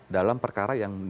dalam perkara yang